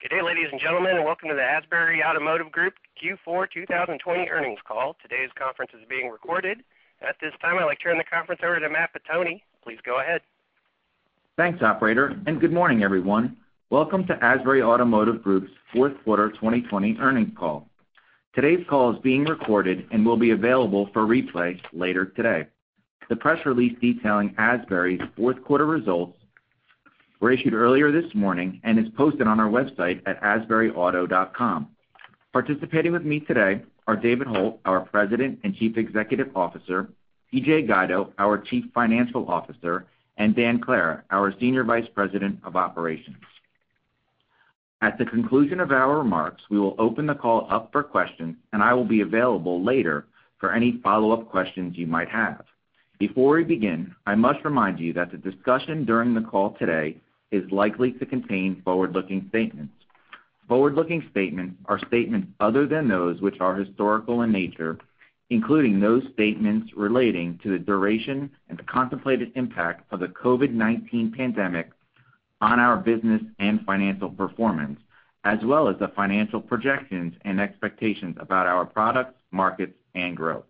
Good day, ladies and gentlemen, welcome to the Asbury Automotive Group Q4 2020 earnings call. Today's conference is being recorded. At this time, I'd like to turn the conference over to Matt Pettoni. Please go ahead. Thanks, operator, and good morning, everyone. Welcome to Asbury Automotive Group's fourth quarter 2020 earnings call. Today's call is being recorded and will be available for replay later today. The press release detailing Asbury's fourth quarter results were issued earlier this morning and is posted on our website at asburyauto.com. Participating with me today are David Hult, our President and Chief Executive Officer, PJ Guido, our Chief Financial Officer, and Dan Clara, our Senior Vice President of Operations. At the conclusion of our remarks, we will open the call up for questions, and I will be available later for any follow-up questions you might have. Before we begin, I must remind you that the discussion during the call today is likely to contain forward-looking statements. Forward-looking statements are statements other than those which are historical in nature, including those statements relating to the duration and the contemplated impact of the COVID-19 pandemic on our business and financial performance, as well as the financial projections and expectations about our products, markets, and growth.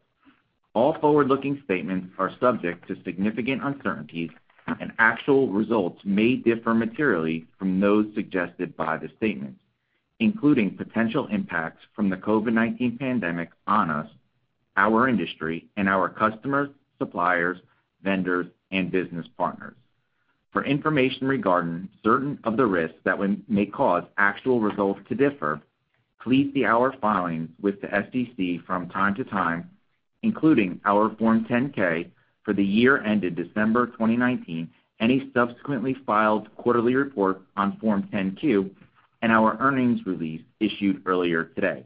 Actual results may differ materially from those suggested by the statements, including potential impacts from the COVID-19 pandemic on us, our industry, and our customers, suppliers, vendors, and business partners. For information regarding certain of the risks that may cause actual results to differ, please see our filings with the SEC from time to time, including our Form 10-K for the year ended December 2019, any subsequently filed quarterly report on Form 10-Q, and our earnings release issued earlier today.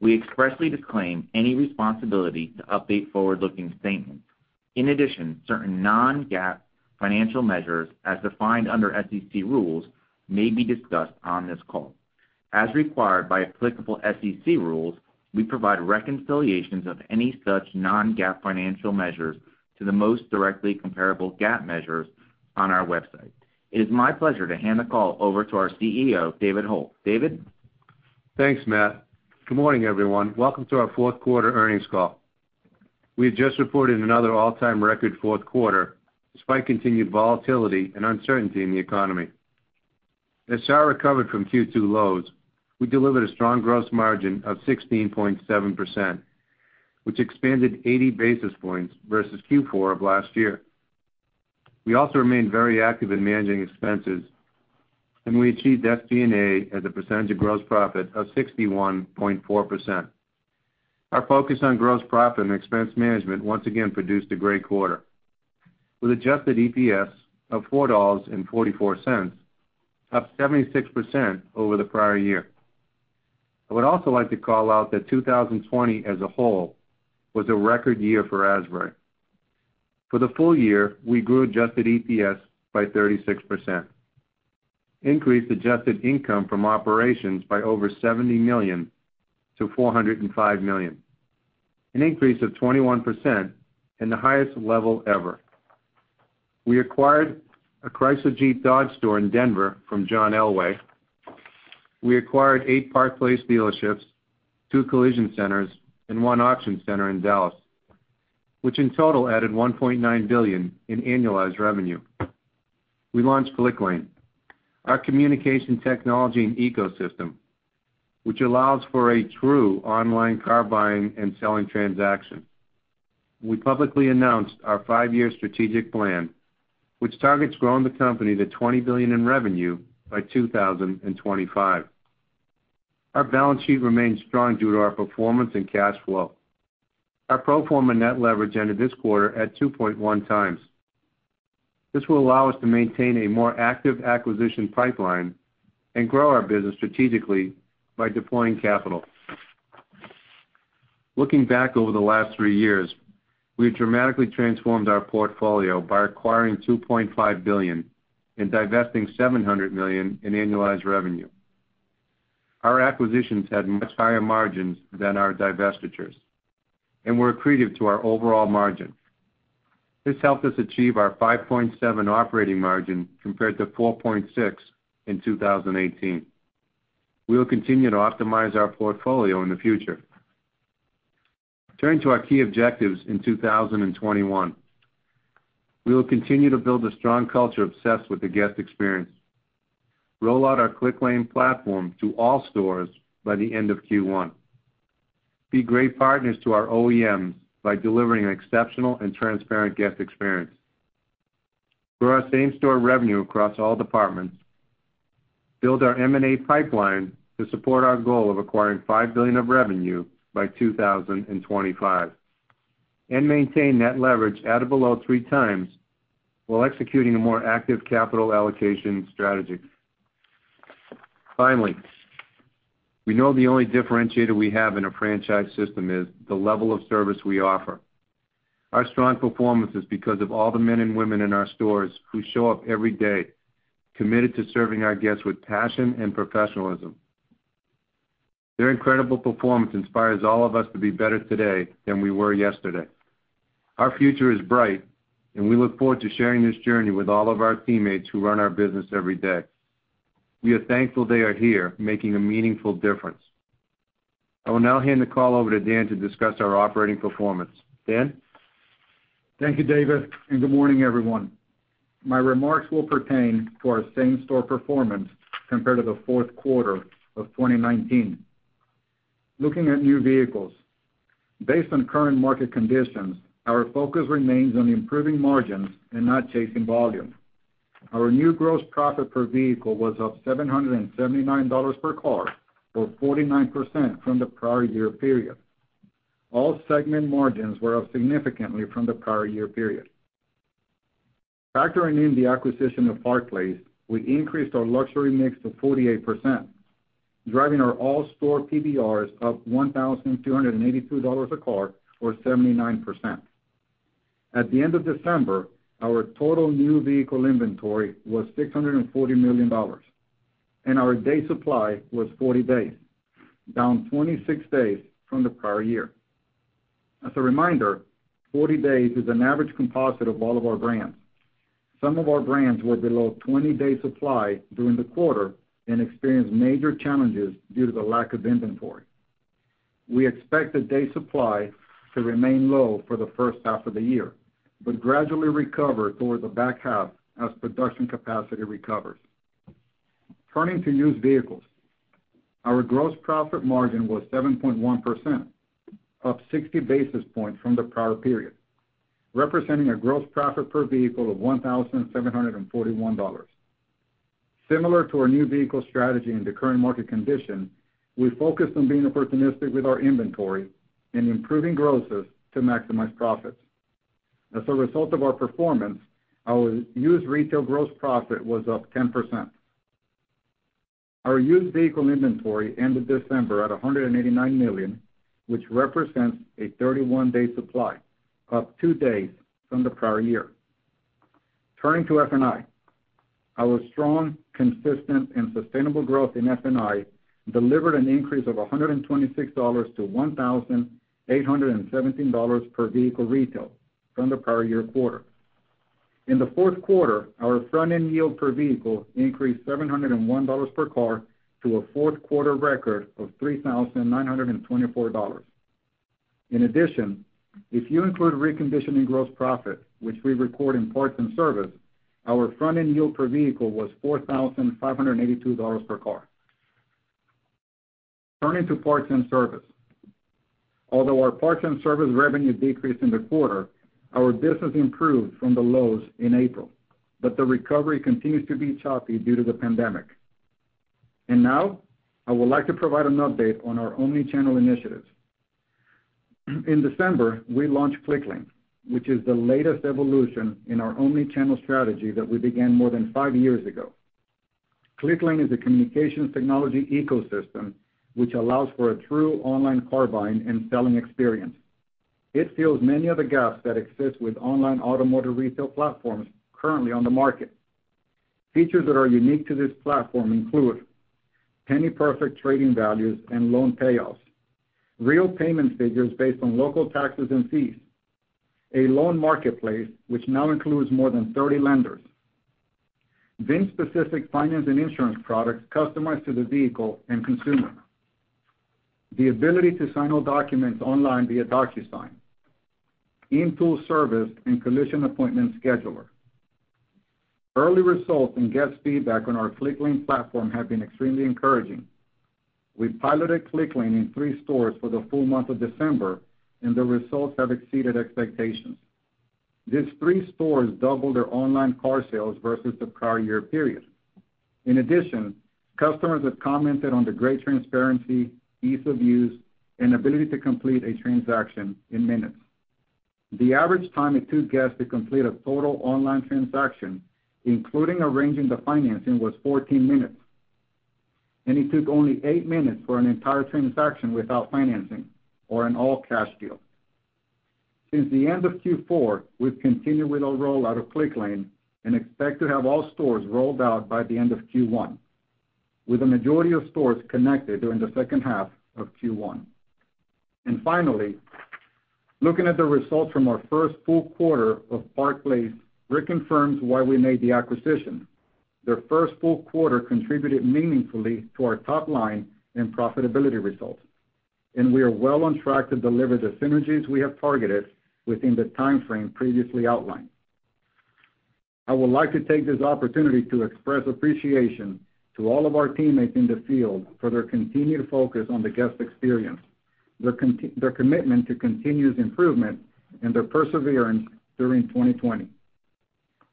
We expressly disclaim any responsibility to update forward-looking statements. In addition, certain non-GAAP financial measures, as defined under SEC rules, may be discussed on this call. As required by applicable SEC rules, we provide reconciliations of any such non-GAAP financial measures to the most directly comparable GAAP measures on our website. It is my pleasure to hand the call over to our CEO, David Hult. David? Thanks, Matt. Good morning, everyone. Welcome to our fourth quarter earnings call. We have just reported another all-time record fourth quarter despite continued volatility and uncertainty in the economy. As sales recovered from Q2 lows, we delivered a strong gross margin of 16.7%, which expanded 80 basis points versus Q4 of last year. We also remained very active in managing expenses, we achieved SG&A as a percentage of gross profit of 61.4%. Our focus on gross profit and expense management once again produced a great quarter. With adjusted EPS of $4.44, up 76% over the prior year. I would also like to call out that 2020 as a whole was a record year for Asbury. For the full-year, we grew adjusted EPS by 36%, increased adjusted income from operations by over $70 million-$405 million, an increase of 21% and the highest level ever. We acquired a Chrysler Jeep Dodge store in Denver from John Elway. We acquired eight Park Place dealerships, two collision centers, and one auction center in Dallas, which in total added $1.9 billion in annualized revenue. We launched Clicklane, our communication technology and ecosystem, which allows for a true online car buying and selling transaction. We publicly announced our five-year strategic plan, which targets growing the company to $20 billion in revenue by 2025. Our balance sheet remains strong due to our performance and cash flow. Our pro forma net leverage ended this quarter at 2.1x. This will allow us to maintain a more active acquisition pipeline and grow our business strategically by deploying capital. Looking back over the last three years, we've dramatically transformed our portfolio by acquiring $2.5 billion and divesting $700 million in annualized revenue. Our acquisitions had much higher margins than our divestitures and were accretive to our overall margin. This helped us achieve our 5.7% operating margin compared to 4.6% in 2018. We will continue to optimize our portfolio in the future. Turning to our key objectives in 2021. We will continue to build a strong culture obsessed with the guest experience, roll out our Clicklane platform to all stores by the end of Q1, be great partners to our OEMs by delivering an exceptional and transparent guest experience, grow our same-store revenue across all departments, build our M&A pipeline to support our goal of acquiring $5 billion of revenue by 2025, and maintain net leverage at or below three times while executing a more active capital allocation strategy. Finally, we know the only differentiator we have in a franchise system is the level of service we offer. Our strong performance is because of all the men and women in our stores who show up every day committed to serving our guests with passion and professionalism. Their incredible performance inspires all of us to be better today than we were yesterday. Our future is bright, and we look forward to sharing this journey with all of our teammates who run our business every day. We are thankful they are here making a meaningful difference. I will now hand the call over to Dan to discuss our operating performance. Dan? Thank you, David, and good morning, everyone. My remarks will pertain to our same-store performance compared to the fourth quarter of 2019. Looking at new vehicles. Based on current market conditions, our focus remains on improving margins and not chasing volume. Our new gross profit per vehicle was up $779 per car, or 49% from the prior year period. All segment margins were up significantly from the prior year period. Factoring in the acquisition of Park Place, we increased our luxury mix to 48%, driving our all store PVRs up $1,282 a car, or 79%. At the end of December, our total new vehicle inventory was $640 million and our day supply was 40 days, down 26 days from the prior year. As a reminder, 40 days is an average composite of all of our brands. Some of our brands were below 20-day supply during the quarter and experienced major challenges due to the lack of inventory. We expect the day supply to remain low for the first half of the year but gradually recover towards the back half as production capacity recovers. Turning to used vehicles. Our gross profit margin was 7.1%, up 60 basis points from the prior period, representing a gross profit per vehicle of $1,741. Similar to our new vehicle strategy in the current market condition, we focused on being opportunistic with our inventory and improving grosses to maximize profits. As a result of our performance, our used retail gross profit was up 10%. Our used vehicle inventory ended December at $189 million, which represents a 31-day supply, up two days from the prior year. Turning to F&I. Our strong, consistent, and sustainable growth in F&I delivered an increase of $126-$1,817 per vehicle retail from the prior year quarter. In the fourth quarter, our front-end yield per vehicle increased $701 per car to a fourth-quarter record of $3,924. In addition, if you include reconditioning gross profit, which we record in parts and service, our front-end yield per vehicle was $4,582 per car. Turning to parts and service. Although our parts and service revenue decreased in the quarter, our business improved from the lows in April, but the recovery continues to be choppy due to the pandemic. Now, I would like to provide an update on our omni-channel initiatives. In December, we launched Clicklane, which is the latest evolution in our omni-channel strategy that we began more than five years ago. Clicklane is a communications technology ecosystem, which allows for a true online car buying and selling experience. It fills many of the gaps that exist with online automotive retail platforms currently on the market. Features that are unique to this platform include penny-perfect trading values and loan payoffs, real payment figures based on local taxes and fees, a loan marketplace which now includes more than 30 lenders, VIN-specific finance and insurance products customized to the vehicle and consumer, the ability to sign all documents online via DocuSign, in-tool service and collision appointment scheduler. Early results and guest feedback on our Clicklane platform have been extremely encouraging. We piloted Clicklane in three stores for the full month of December. The results have exceeded expectations. These three stores doubled their online car sales versus the prior year period. In addition, customers have commented on the great transparency, ease of use, and ability to complete a transaction in minutes. The average time it took guests to complete a total online transaction, including arranging the financing, was 14 minutes. It took only eight minutes for an entire transaction without financing or an all-cash deal. Since the end of Q4, we've continued with our rollout of Clicklane and expect to have all stores rolled out by the end of Q1, with the majority of stores connected during the second half of Q1. Finally, looking at the results from our first full quarter of Park Place reconfirms why we made the acquisition. Their first full quarter contributed meaningfully to our top line and profitability results, and we are well on track to deliver the synergies we have targeted within the timeframe previously outlined. I would like to take this opportunity to express appreciation to all of our teammates in the field for their continued focus on the guest experience, their commitment to continuous improvement, and their perseverance during 2020.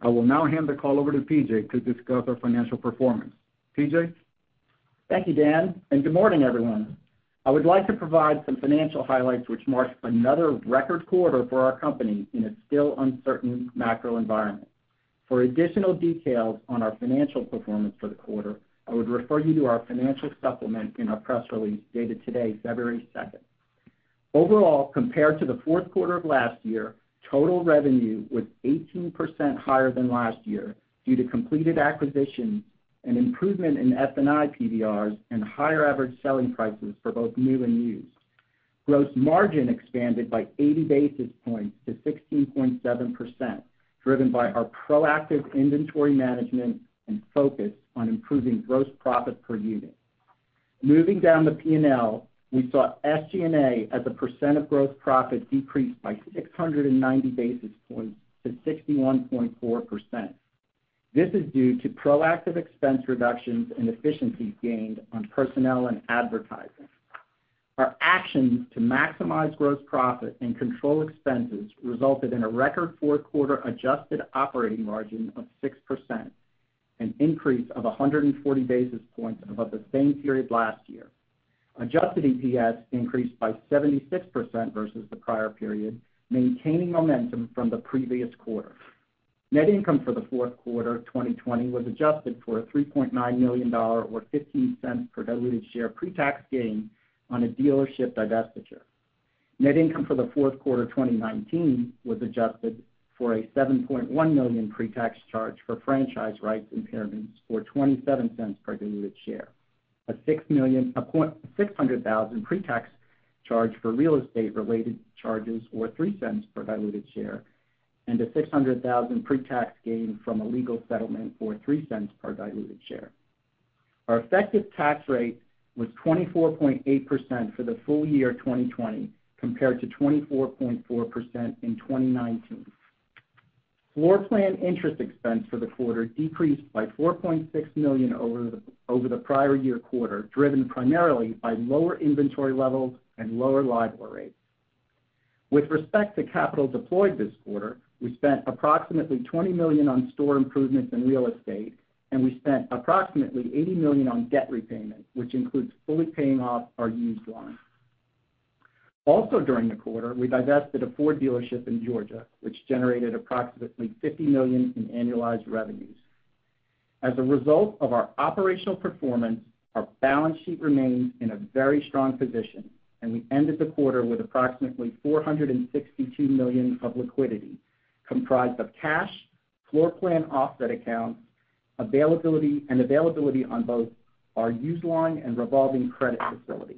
I will now hand the call over to PJ to discuss our financial performance. PJ? Thank you, Dan, and good morning, everyone. I would like to provide some financial highlights which marks another record quarter for our company in a still uncertain macro environment. For additional details on our financial performance for the quarter, I would refer you to our financial supplement in our press release dated today, February 2nd. Compared to the fourth quarter of last year, total revenue was 18% higher than last year due to completed acquisitions, an improvement in F&I PVRs, and higher average selling prices for both new and used. Gross margin expanded by 80 basis points to 16.7%, driven by our proactive inventory management and focus on improving gross profit per unit. Moving down the P&L, we saw SG&A as a percent of gross profit decrease by 690 basis points to 61.4%. This is due to proactive expense reductions and efficiencies gained on personnel and advertising. Our actions to maximize gross profit and control expenses resulted in a record fourth quarter adjusted operating margin of 6%, an increase of 140 basis points above the same period last year. Adjusted EPS increased by 76% versus the prior period, maintaining momentum from the previous quarter. Net income for the fourth quarter 2020 was adjusted for a $3.9 million, or $0.15 per diluted share pre-tax gain on a dealership divestiture. Net income for the fourth quarter 2019 was adjusted for a $7.1 million pre-tax charge for franchise rights impairments, or $0.27 per diluted share, a $600,000 pre-tax charge for real estate related charges, or $0.03 per diluted share, and a $600,000 pre-tax gain from a legal settlement, or $0.03 per diluted share. Our effective tax rate was 24.8% for the full-year 2020, compared to 24.4% in 2019. Floorplan interest expense for the quarter decreased by $4.6 million over the prior year quarter, driven primarily by lower inventory levels and lower LIBOR rates. With respect to capital deployed this quarter, we spent approximately $20 million on store improvements in real estate, and we spent approximately $80 million on debt repayment, which includes fully paying off our used line. Also during the quarter, we divested a Ford dealership in Georgia, which generated approximately $50 million in annualized revenues. As a result of our operational performance, our balance sheet remains in a very strong position, and we ended the quarter with approximately $462 million of liquidity, comprised of cash, floorplan offset accounts, and availability on both our used line and revolving credit facility.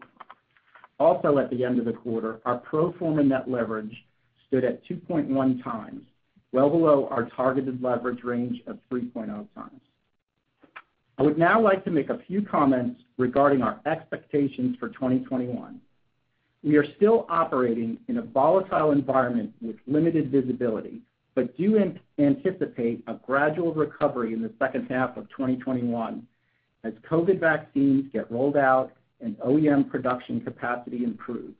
Also at the end of the quarter, our pro forma net leverage stood at 2.1 times, well below our targeted leverage range of 3.0x. I would now like to make a few comments regarding our expectations for 2021. We are still operating in a volatile environment with limited visibility, but do anticipate a gradual recovery in the second half of 2021 as COVID vaccines get rolled out and OEM production capacity improves.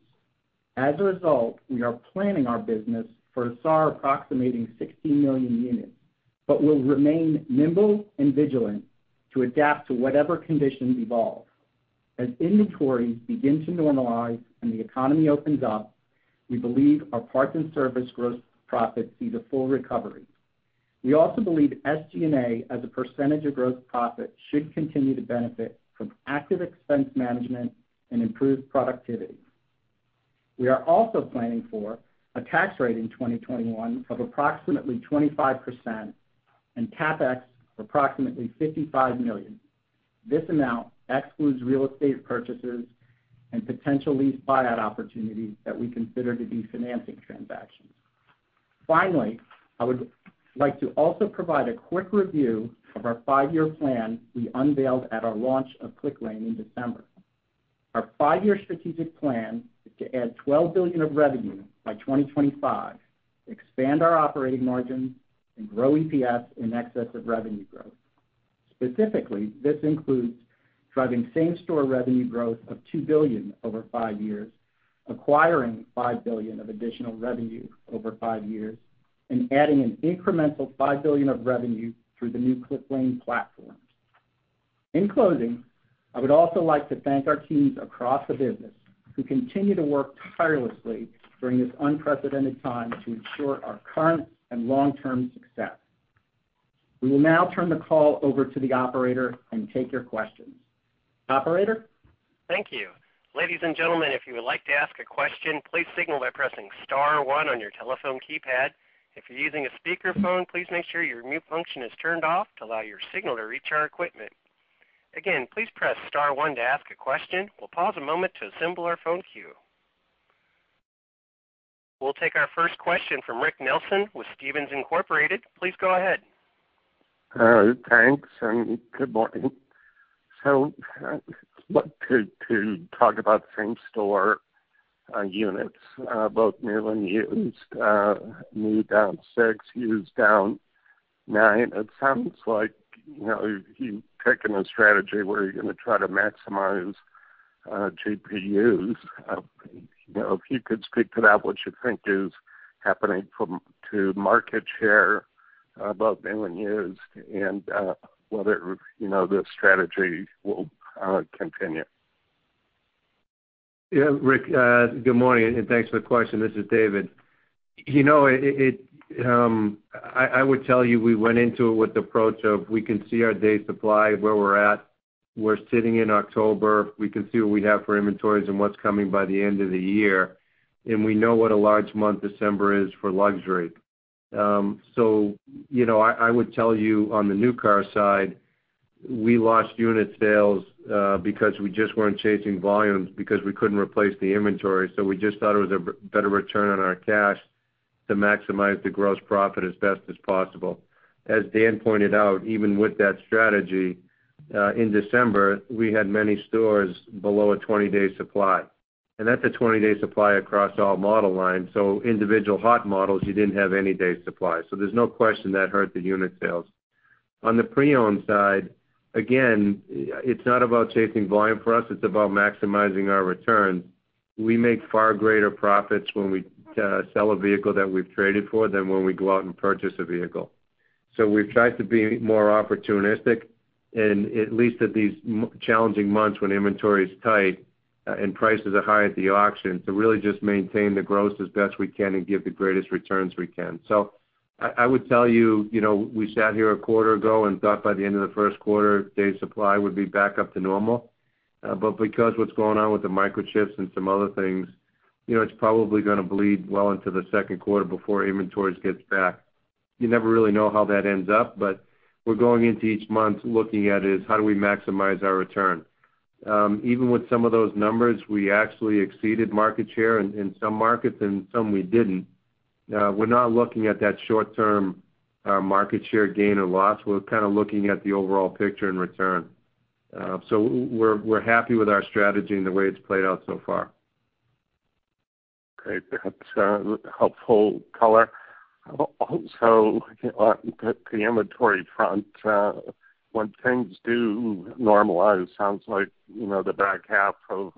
As a result, we are planning our business for SAAR approximating 16 million units, but will remain nimble and vigilant to adapt to whatever conditions evolve. As inventories begin to normalize and the economy opens up, we believe our parts and service gross profits see the full recovery. We also believe SG&A as a percentage of gross profit should continue to benefit from active expense management and improved productivity. We are also planning for a tax rate in 2021 of approximately 25% and CapEx of approximately $55 million. This amount excludes real estate purchases and potential lease buyout opportunities that we consider to be financing transactions. Finally, I would like to also provide a quick review of our five-year plan we unveiled at our launch of Clicklane in December. Our five-year strategic plan is to add $12 billion of revenue by 2025, expand our operating margin, and grow EPS in excess of revenue growth. Specifically, this includes driving same-store revenue growth of $2 billion over five years, acquiring $5 billion of additional revenue over five years, and adding an incremental $5 billion of revenue through the new Clicklane platform. In closing, I would also like to thank our teams across the business who continue to work tirelessly during this unprecedented time to ensure our current and long-term success. We will now turn the call over to the operator and take your questions. Operator? Thank you. Ladies and gentlemen, if you would like to ask a question, please signal by pressing star one on your telephone keypad. If you're using a speakerphone, please make sure your mute function is turned off to allow your signal to reach our equipment. Again, please press star one to ask a question. We'll pause a moment to assemble our phone queue. We'll take our first question from Rick Nelson with Stephens Inc.. Please go ahead. Thanks, and good morning. To talk about same-store units, both new and used, new down six, used down nine. It sounds like you're taking a strategy where you're going to try to maximize GPUs. If you could speak to that, what you think is happening to market share, both new and used, and whether this strategy will continue. Yeah, Rick, good morning, and thanks for the question. This is David. I would tell you, we went into it with the approach of we can see our day supply where we're at. We're sitting in October. We can see what we have for inventories and what's coming by the end of the year. We know what a large month December is for luxury. I would tell you on the new car side, we lost unit sales because we just weren't chasing volumes because we couldn't replace the inventory. We just thought it was a better return on our cash to maximize the gross profit as best as possible. As Dan pointed out, even with that strategy, in December, we had many stores below a 20-day supply. That's a 20-day supply across all model lines. Individual hot models, you didn't have any day supply. There's no question that hurt the unit sales. On the pre-owned side, again, it's not about chasing volume for us, it's about maximizing our return. We make far greater profits when we sell a vehicle that we've traded for than when we go out and purchase a vehicle. We've tried to be more opportunistic, and at least at these challenging months when inventory is tight and prices are high at the auction to really just maintain the gross as best we can and give the greatest returns we can. I would tell you, we sat here a quarter ago and thought by the end of the first quarter, day supply would be back up to normal. Because what's going on with the microchips and some other things, it's probably going to bleed well into the second quarter before inventories gets back. You never really know how that ends up, but we're going into each month looking at is how do we maximize our return. Even with some of those numbers, we actually exceeded market share in some markets and some we didn't. We're not looking at that short term market share gain or loss. We're kind of looking at the overall picture and return. We're happy with our strategy and the way it's played out so far. Great. That's helpful color. Also, on the inventory front, when things do normalize, sounds like the back half of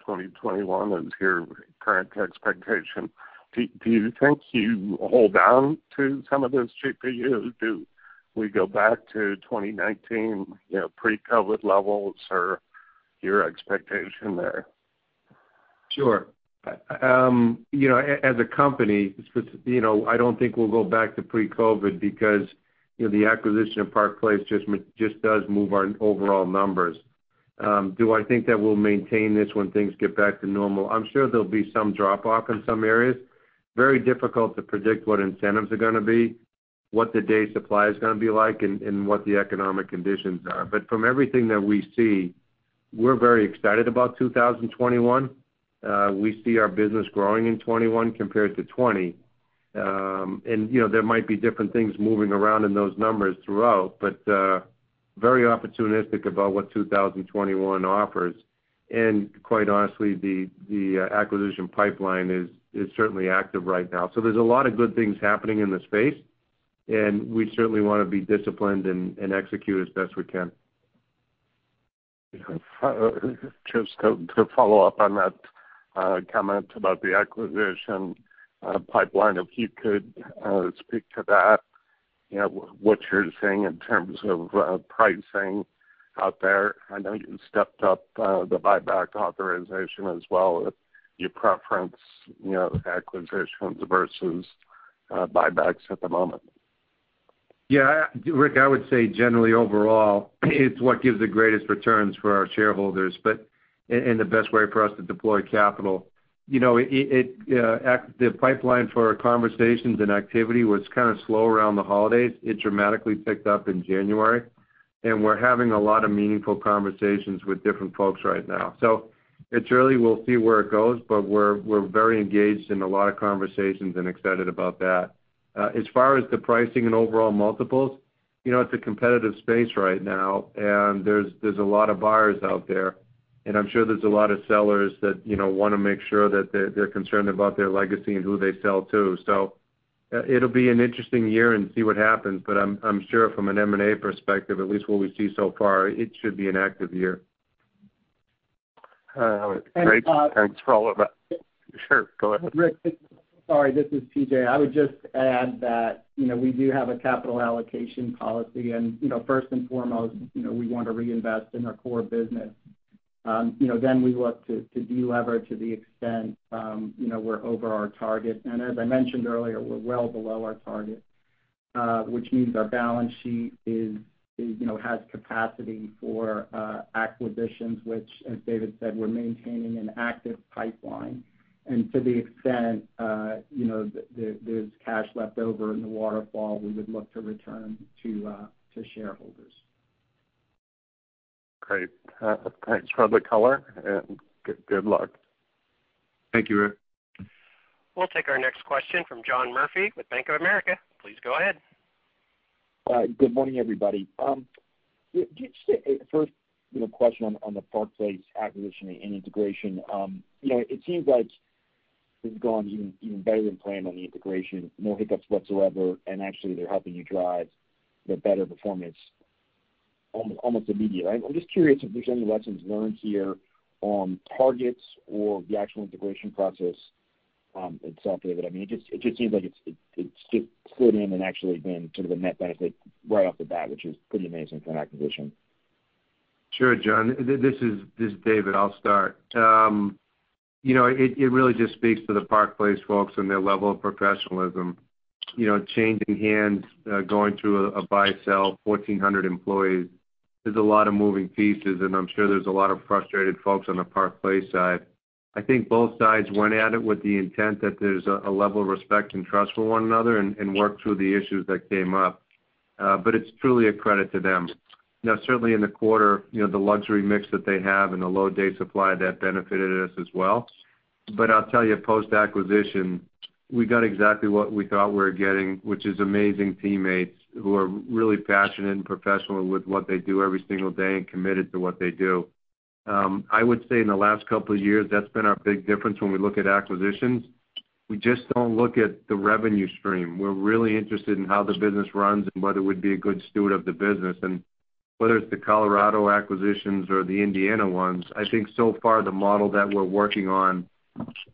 2021 is your current expectation. Do you think you hold on to some of this GPU? Do we go back to 2019 pre-COVID levels, or your expectation there? Sure. As a company, I don't think we'll go back to pre-COVID because the acquisition of Park Place just does move our overall numbers. Do I think that we'll maintain this when things get back to normal? I'm sure there'll be some drop off in some areas. Very difficult to predict what incentives are going to be, what the day supply is going to be like, and what the economic conditions are. From everything that we see, we're very excited about 2021. We see our business growing in 2021 compared to 2020. There might be different things moving around in those numbers throughout, but very opportunistic about what 2021 offers. Quite honestly, the acquisition pipeline is certainly active right now. There's a lot of good things happening in the space, and we certainly want to be disciplined and execute as best we can. Just to follow up on that comment about the acquisition pipeline, if you could speak to that, what you're seeing in terms of pricing out there. I know you stepped up the buyback authorization as well as your preference, acquisitions versus buybacks at the moment. Yeah. Rick, I would say generally overall, it's what gives the greatest returns for our shareholders and the best way for us to deploy capital. The pipeline for our conversations and activity was kind of slow around the holidays. It dramatically picked up in January, and we're having a lot of meaningful conversations with different folks right now. It's early. We'll see where it goes, but we're very engaged in a lot of conversations and excited about that. As far as the pricing and overall multiples, it's a competitive space right now, and there's a lot of buyers out there, and I'm sure there's a lot of sellers that want to make sure that they're concerned about their legacy and who they sell to. It'll be an interesting year and see what happens. I'm sure from an M&A perspective, at least what we see so far, it should be an active year. Great. Thanks for all of that. Sure, go ahead. Rick, sorry, this is PJ. I would just add that we do have a capital allocation policy. First and foremost, we want to reinvest in our core business. We look to delever to the extent we're over our target. As I mentioned earlier, we're well below our target, which means our balance sheet has capacity for acquisitions, which, as David said, we're maintaining an active pipeline. To the extent there's cash left over in the waterfall, we would look to return to shareholders. Great. Thanks for the color, and good luck. Thank you, Rick. We'll take our next question from John Murphy with Bank of America. Please go ahead. Good morning, everybody. First question on the Park Place acquisition and integration. It seems like it's gone even better than planned on the integration, no hiccups whatsoever, and actually they're helping you drive the better performance almost immediately. I'm just curious if there's any lessons learned here on targets or the actual integration process itself, David. It just seems like it's slid in and actually been sort of a net benefit right off the bat, which is pretty amazing for an acquisition. Sure, John. This is David. I'll start. It really just speaks to the Park Place folks and their level of professionalism. Changing hands, going through a buy-sell, 1,400 employees. There's a lot of moving pieces, and I'm sure there's a lot of frustrated folks on the Park Place side. I think both sides went at it with the intent that there's a level of respect and trust for one another and work through the issues that came up. It's truly a credit to them. Now, certainly in the quarter, the luxury mix that they have and the low day supply, that benefited us as well. I'll tell you, post-acquisition, we got exactly what we thought we were getting, which is amazing teammates who are really passionate and professional with what they do every single day and committed to what they do. I would say in the last couple of years, that's been our big difference when we look at acquisitions. We just don't look at the revenue stream. We're really interested in how the business runs and whether it would be a good steward of the business. Whether it's the Colorado acquisitions or the Indiana ones, I think so far the model that we're working on,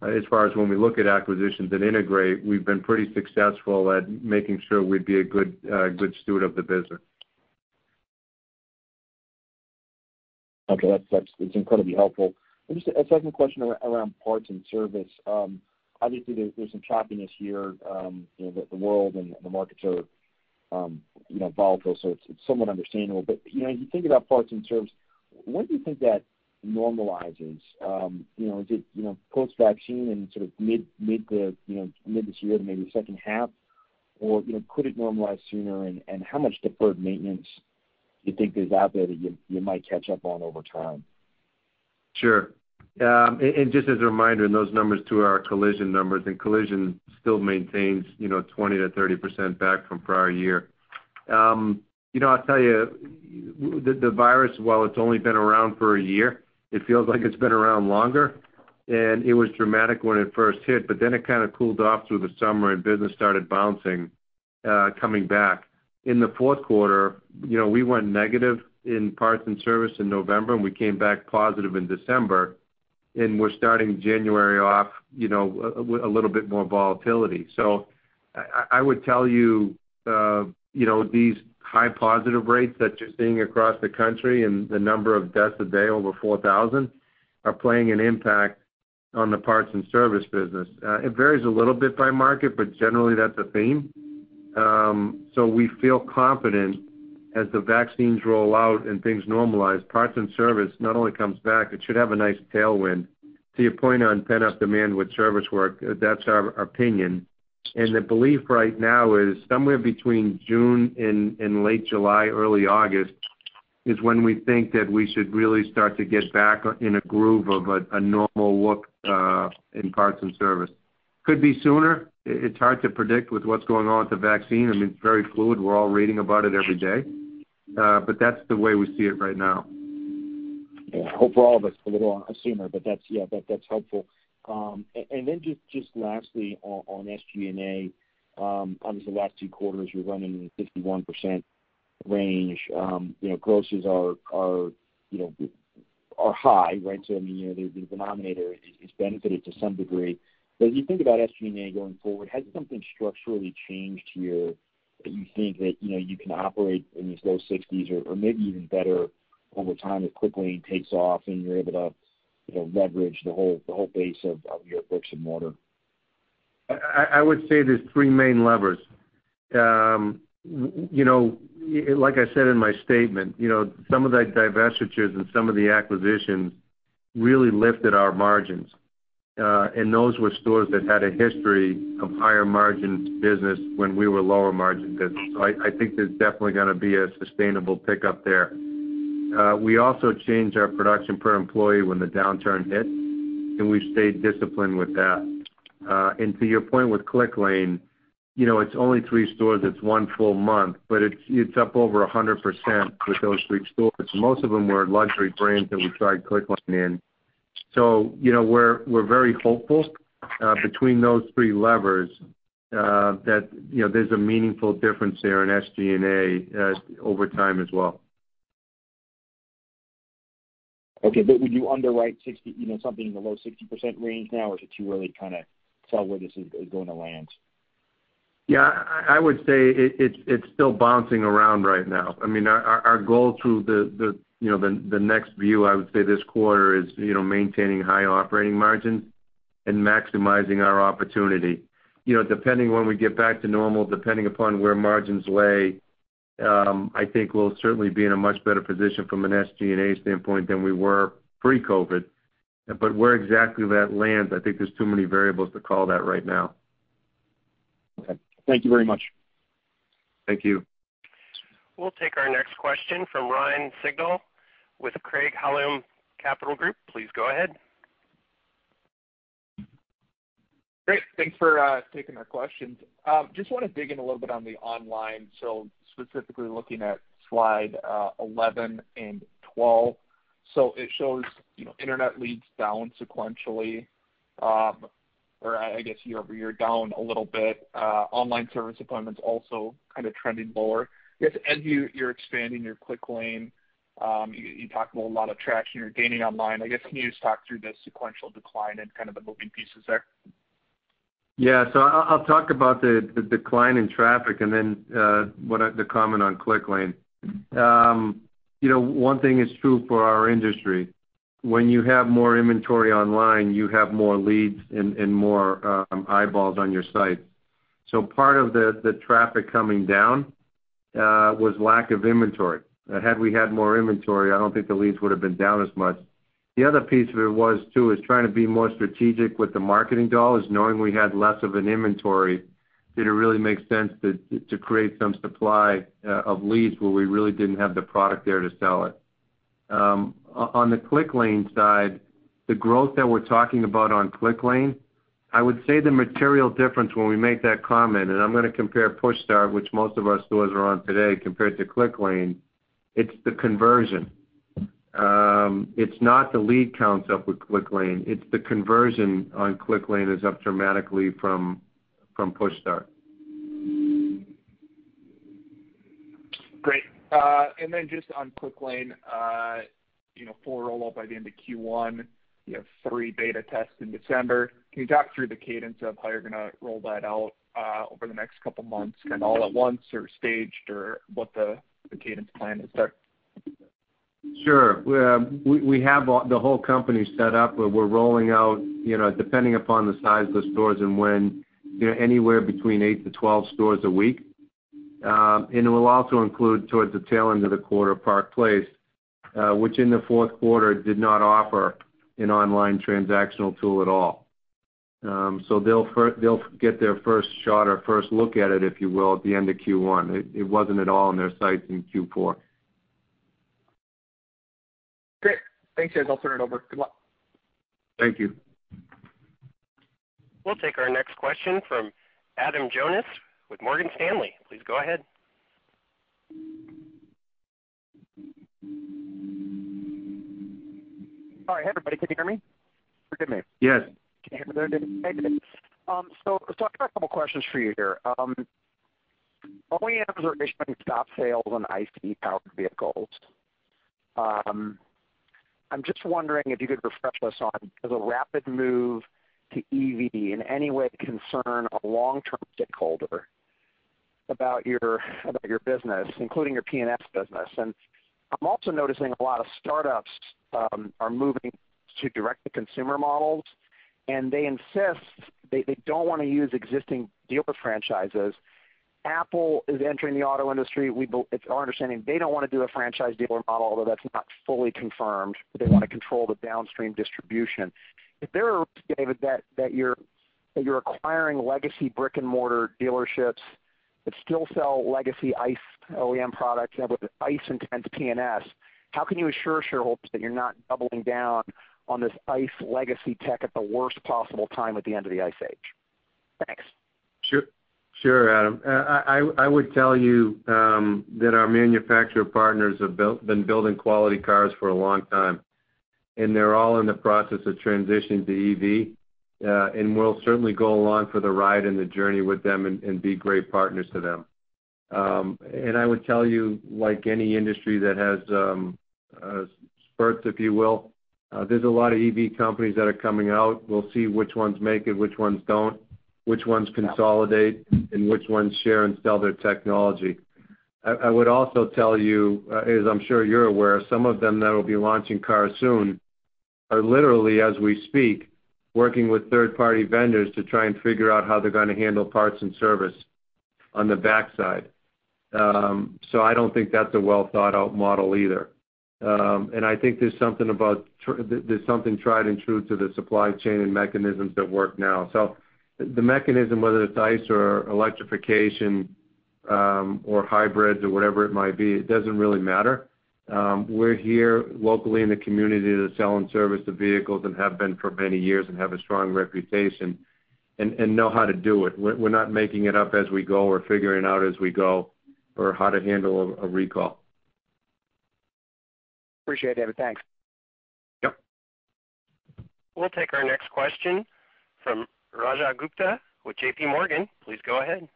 as far as when we look at acquisitions that integrate, we've been pretty successful at making sure we'd be a good steward of the business. Okay. That's incredibly helpful. Just a second question around parts and service. Obviously, there's some choppiness here. The world and the markets are volatile, it's somewhat understandable. As you think about parts and service, when do you think that normalizes? Is it post-vaccine in sort of mid this year to maybe second half, or could it normalize sooner? How much deferred maintenance do you think is out there that you might catch up on over time? Sure. Just as a reminder, and those numbers too are collision numbers, and collision still maintains 20%-30% back from prior year. I'll tell you, the virus, while it's only been around for a year, it feels like it's been around longer, and it was dramatic when it first hit, but then it kind of cooled off through the summer, and business started bouncing, coming back. In the fourth quarter, we went negative in parts and service in November, and we came back positive in December, and we're starting January off a little bit more volatility. I would tell you, these high positive rates that you're seeing across the country and the number of deaths a day over 4,000 are playing an impact on the parts and service business. It varies a little bit by market, but generally that's a theme. We feel confident as the vaccines roll out and things normalize, parts and service not only comes back, it should have a nice tailwind. To your point on pent-up demand with service work, that's our opinion. The belief right now is somewhere between June and late July, early August is when we think that we should really start to get back in a groove of a normal look in parts and service. Could be sooner. It's hard to predict with what's going on with the vaccine. It's very fluid. We're all reading about it every day. That's the way we see it right now. Yeah. Hope all that's a little sooner, but that's, yeah, that's helpful. Just lastly on SG&A, obviously last two quarters, you're running in the 51% range. Grosses are high, right? The denominator is benefited to some degree. As you think about SG&A going forward, has something structurally changed here that you think that you can operate in these low 60s% or maybe even better over time as Clicklane takes off and you're able to leverage the whole base of your bricks and mortar? I would say there's three main levers. Like I said in my statement, some of the divestitures and some of the acquisitions really lifted our margins. Those were stores that had a history of higher margin business when we were lower margin business. I think there's definitely going to be a sustainable pickup there. We also changed our production per employee when the downturn hit, and we stayed disciplined with that. To your point with Clicklane, it's only three stores, it's one full month, but it's up over 100% with those three stores. Most of them were luxury brands that we tried Clicklane in. We're very hopeful between those three levers that there's a meaningful difference there in SGA over time as well. Okay. Would you underwrite something in the low 60% range now, or could you really kind of tell where this is going to land? Yeah. I would say it's still bouncing around right now. Our goal through the next view, I would say this quarter is maintaining high operating margins and maximizing our opportunity. Depending when we get back to normal, depending upon where margins lay, I think we'll certainly be in a much better position from an SG&A standpoint than we were pre-COVID. Where exactly that lands, I think there's too many variables to call that right now. Okay. Thank you very much. Thank you. We'll take our next question from Ryan Sigdahl with Craig-Hallum Capital Group. Please go ahead. Great. Thanks for taking our questions. Just want to dig in a little bit on the online, specifically looking at Slide 11 and 12. It shows internet leads down sequentially, or I guess year-over-year, down a little bit. Online service appointments also kind of trending lower. I guess as you're expanding your Clicklane, you talked about a lot of traction you're gaining online. I guess can you just talk through the sequential decline and kind of the moving pieces there? I'll talk about the decline in traffic and then the comment on Clicklane. One thing is true for our industry, when you have more inventory online, you have more leads and more eyeballs on your site. Part of the traffic coming down was lack of inventory. Had we had more inventory, I don't think the leads would have been down as much. The other piece of it was too, is trying to be more strategic with the marketing dollars, knowing we had less of an inventory, did it really make sense to create some supply of leads where we really didn't have the product there to sell it? On the Clicklane side, the growth that we're talking about on Clicklane, I would say the material difference when we make that comment, and I'm going to compare PushStart, which most of our stores are on today, compared to Clicklane, it's the conversion. It's not the lead counts up with Clicklane. It's the conversion on Clicklane is up dramatically from PushStart. Great. Just on Clicklane, full rollout by the end of Q1, you have three beta tests in December. Can you talk through the cadence of how you're going to roll that out over the next couple of months? Kind of all at once or staged, or what the cadence plan is there? Sure. We have the whole company set up where we're rolling out, depending upon the size of the stores and when, anywhere between eight to 12 stores a week. It will also include towards the tail end of the quarter, Park Place, which in the fourth quarter did not offer an online transactional tool at all. They'll get their first shot or first look at it, if you will, at the end of Q1. It wasn't at all on their sites in Q4. Great. Thanks, guys. I'll turn it over. Good luck. Thank you. We'll take our next question from Adam Jonas with Morgan Stanley. Please go ahead. All right, hey, everybody. Can you hear me? Forgive me. Yes. Can you hear me there, David? Hey, David. I've got a couple questions for you here. OEMs are issuing stop sales on ICE-powered vehicles. I'm just wondering if you could refresh us on, does a rapid move to EV in any way concern a long-term shareholder about your business, including your P&L business? I'm also noticing a lot of startups are moving to direct-to-consumer models, and they insist they don't want to use existing dealer franchises. Apple is entering the auto industry. It's our understanding they don't want to do a franchise dealer model, although that's not fully confirmed, but they want to control the downstream distribution. If there are David, that you're acquiring legacy brick-and-mortar dealerships that still sell legacy ICE OEM products and have an ICE-intense P&S, how can you assure shareholders that you're not doubling down on this ICE legacy tech at the worst possible time at the end of the ICE age? Thanks. Sure, Adam. I would tell you that our manufacturer partners have been building quality cars for a long time, and they're all in the process of transitioning to EV, and we'll certainly go along for the ride and the journey with them and be great partners to them. I would tell you, like any industry that has spurts, if you will, there's a lot of EV companies that are coming out. We'll see which ones make it, which ones don't, which ones consolidate, and which ones share and sell their technology. I would also tell you, as I'm sure you're aware, some of them that will be launching cars soon are literally, as we speak, working with third-party vendors to try and figure out how they're going to handle parts and service on the backside. I don't think that's a well-thought-out model either. I think there's something tried and true to the supply chain and mechanisms that work now. The mechanism, whether it's ICE or electrification or hybrids or whatever it might be, it doesn't really matter. We're here locally in the community to sell and service the vehicles and have been for many years and have a strong reputation and know how to do it. We're not making it up as we go or figuring out as we go or how to handle a recall. Appreciate it, David, thanks. Yep. We'll take our next question from Rajat Gupta with JPMorgan. Please go ahead.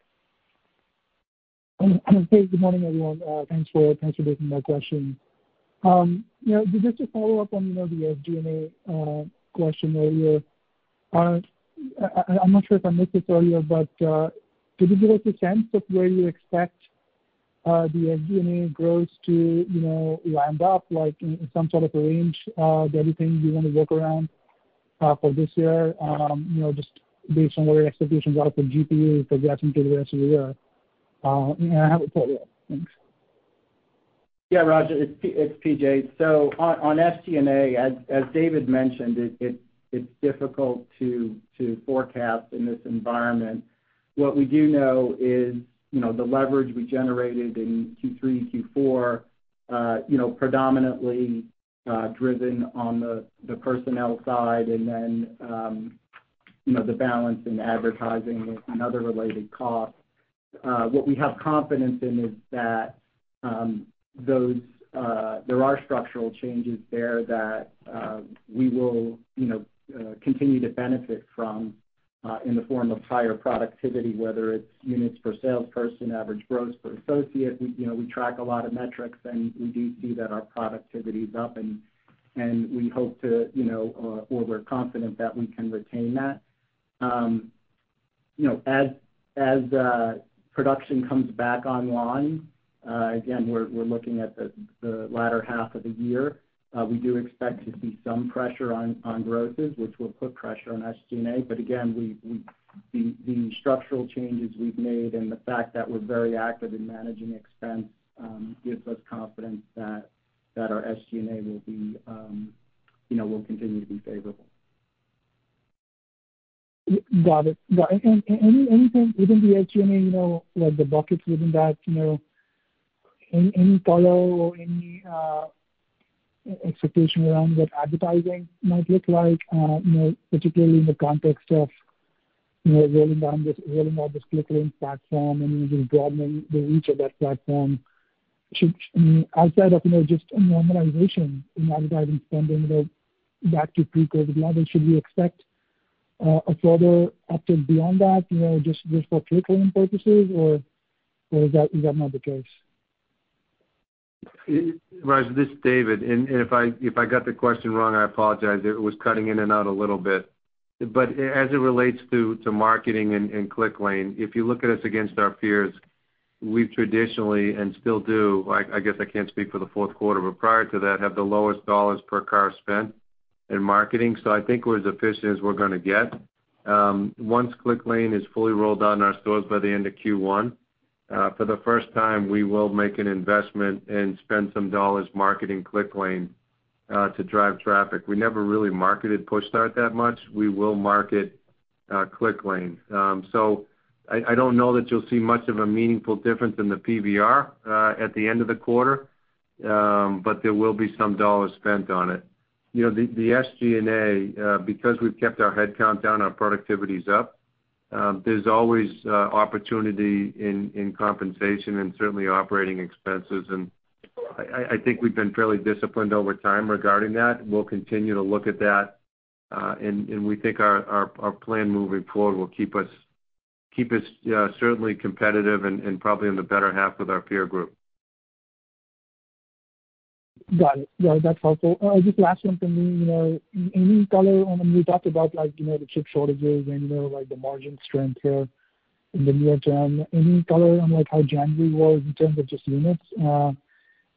Hey, good morning, everyone. Thanks for taking my question. Just to follow up on the SG&A question earlier. I'm not sure if I missed this earlier, but could you give us a sense of where you expect the SG&A growth to wind up, like some sort of a range, the other things you want to work around for this year, just based on what your expectations are for GPU progressing through the rest of the year? I have a follow-up. Thanks. Yeah, Rajat, it's PJ. On SG&A, as David mentioned, it's difficult to forecast in this environment. What we do know is the leverage we generated in Q3 and Q4 predominantly driven on the personnel side and then the balance in advertising and other related costs. What we have confidence in is that there are structural changes there that we will continue to benefit from in the form of higher productivity, whether it's units per salesperson, average gross per associate. We track a lot of metrics, and we do see that our productivity is up, and we hope to or we're confident that we can retain that. As production comes back online, again, we're looking at the latter half of the year. We do expect to see some pressure on grosses, which will put pressure on SG&A. Again, the structural changes we've made and the fact that we're very active in managing expense gives us confidence that our SGA will continue to be favorable. Got it. Anything within the SG&A, like the buckets within that, any color or any expectation around what advertising might look like, particularly in the context of rolling out this Clicklane platform and broadening the reach of that platform? Outside of just a normalization in advertising spending back to pre-COVID levels, should we expect a further uptick beyond that, just for Clicklane purposes, or is that not the case? Raj, this is David. If I got the question wrong, I apologize. It was cutting in and out a little bit. As it relates to marketing and Clicklane, if you look at us against our peers, we traditionally and still do, I guess I can't speak for the fourth quarter, but prior to that, have the lowest dollars per car spent in marketing. I think we're as efficient as we're going to get. Once Clicklane is fully rolled out in our stores by the end of Q1, for the first time, we will make an investment and spend some dollars marketing Clicklane to drive traffic. We never really marketed PushStart that much. We will market Clicklane. I don't know that you'll see much of a meaningful difference in the PVR at the end of the quarter, but there will be some dollars spent on it. The SGA, because we've kept our head count down, our productivity's up. There's always opportunity in compensation and certainly operating expenses. I think we've been fairly disciplined over time regarding that. We'll continue to look at that. We think our plan moving forward will keep us certainly competitive and probably in the better half of our peer group. Got it. That's helpful. Just last one from me. Any color on when we talked about the chip shortages and the margin strength here in the near term, any color on how January was in terms of just units? Are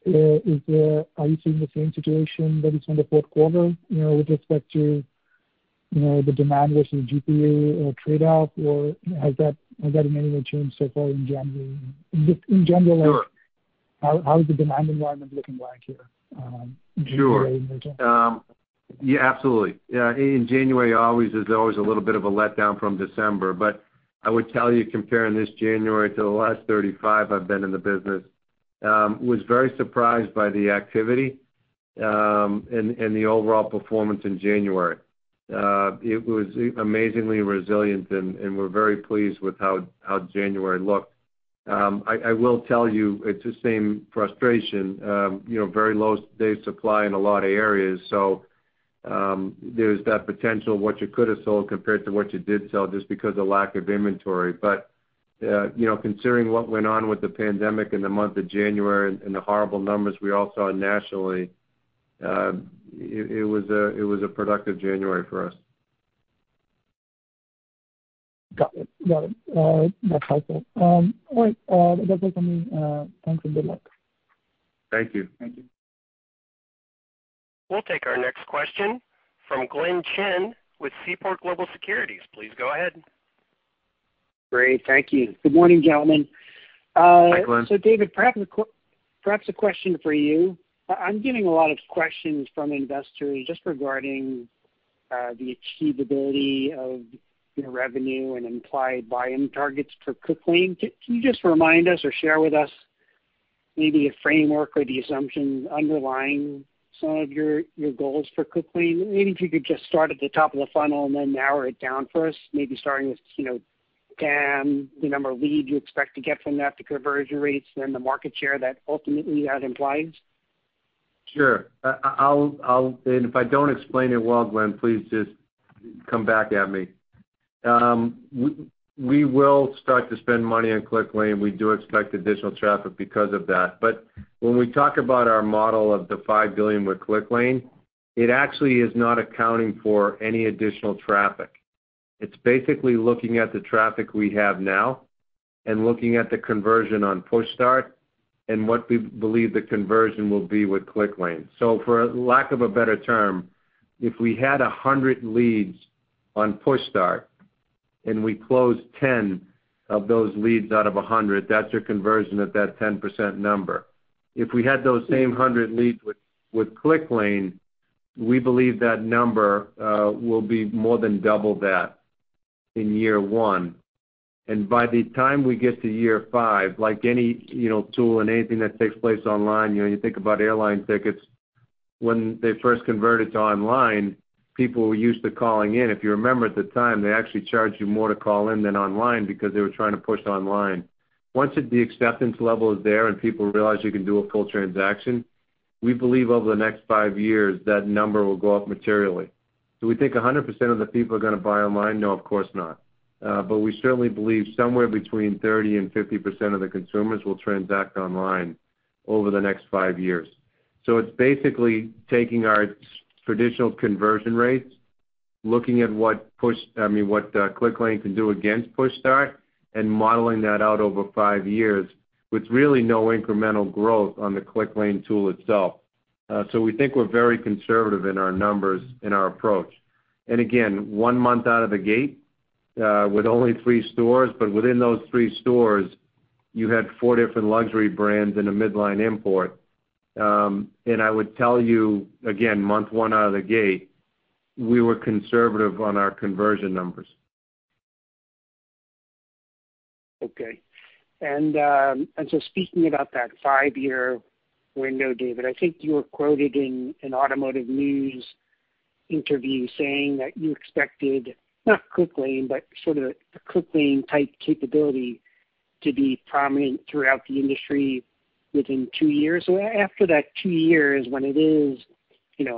you seeing the same situation that was in the fourth quarter with respect to the demand versus PVR trade-out? Has that in any way changed so far in January? Sure How is the demand environment looking like here in January and near term? Sure. Absolutely. In January, always is a little bit of a letdown from December. I would tell you, comparing this January to the last 35 I've been in the business, was very surprised by the activity and the overall performance in January. It was amazingly resilient, and we're very pleased with how January looked. I will tell you, it's the same frustration, very low days supply in a lot of areas. There's that potential what you could have sold compared to what you did sell just because of lack of inventory. Considering what went on with the pandemic in the month of January and the horrible numbers we all saw nationally, it was a productive January for us. Got it. That's helpful. All right. That's it from me. Thanks, and good luck. Thank you. Thank you. We'll take our next question from Glenn Chin with Seaport Global Securities. Please go ahead. Great. Thank you. Good morning, gentlemen. Hi, Glenn. David, perhaps a question for you. I'm getting a lot of questions from investors just regarding the achievability of revenue and implied buy-in targets for Clicklane. Can you just remind us or share with us maybe a framework or the assumptions underlying some of your goals for Clicklane? Maybe if you could just start at the top of the funnel and then narrow it down for us, maybe starting with TAM, the number of leads you expect to get from that, the conversion rates, then the market share that ultimately that implies. Sure. If I don't explain it well, Glenn, please just come back at me. We will start to spend money on Clicklane. We do expect additional traffic because of that. When we talk about our model of the $5 billion with Clicklane, it actually is not accounting for any additional traffic. It's basically looking at the traffic we have now and looking at the conversion on PushStart and what we believe the conversion will be with Clicklane. For a lack of a better term, if we had 100 leads on PushStart and we closed 10 of those leads out of 100, that's your conversion at that 10% number. If we had those same 100 leads with Clicklane, we believe that number will be more than double that in year one. By the time we get to year five, like any tool and anything that takes place online, you think about airline tickets. When they first converted to online, people were used to calling in. If you remember at the time, they actually charged you more to call in than online because they were trying to push online. Once the acceptance level is there and people realize you can do a full transaction, we believe over the next five years, that number will go up materially. Do we think 100% of the people are going to buy online? No, of course not. We certainly believe somewhere between 30% and 50% of the consumers will transact online over the next five years. It's basically taking our traditional conversion rates, looking at what Clicklane can do against PushStart, and modeling that out over five years with really no incremental growth on the Clicklane tool itself. We think we're very conservative in our numbers, in our approach. Again, one month out of the gate with only three stores, but within those three stores, you had four different luxury brands and a midline import. I would tell you again, month one out of the gate, we were conservative on our conversion numbers. Okay. Speaking about that five-year window, David, I think you were quoted in an Automotive News interview saying that you expected, not Clicklane, but sort of a Clicklane-type capability to be prominent throughout the industry within two years. After that two years, when it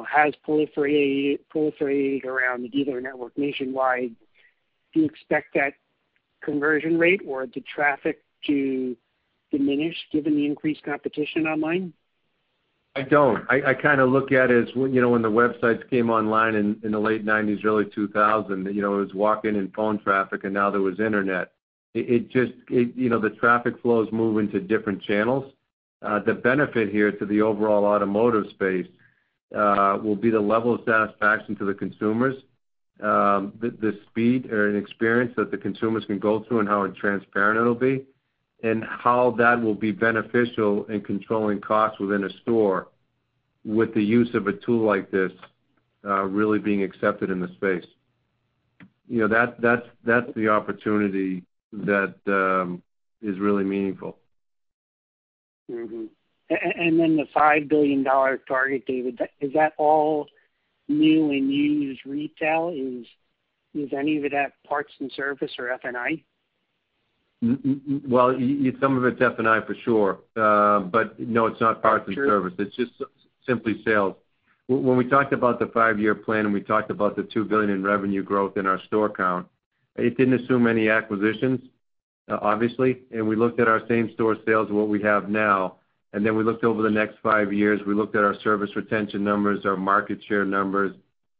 has proliferated around the dealer network nationwide, do you expect that conversion rate or the traffic to diminish given the increased competition online? I don't. I kind of look at it as when the websites came online in the late '90s, early 2000s, it was walk-in and phone traffic, and now there was internet. The traffic flows move into different channels. The benefit here to the overall automotive space will be the level of satisfaction to the consumers, the speed or experience that the consumers can go through and how transparent it'll be, and how that will be beneficial in controlling costs within a store with the use of a tool like this really being accepted in the space. That's the opportunity that is really meaningful. Mm-hmm. The $5 billion target, David, is that all new and used retail? Is any of it at parts and service or F&I? Well, some of it's F&I for sure. No, it's not parts and service. It's just simply sales. When we talked about the five-year plan, and we talked about the $2 billion in revenue growth in our store count, it didn't assume any acquisitions, obviously. We looked at our same store sales, what we have now, and then we looked over the next five years. We looked at our service retention numbers, our market share numbers,